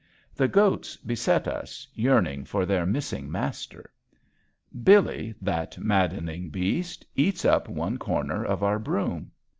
The goats beset us yearning for their missing master. Billy, that maddening beast, eats up one corner of our broom.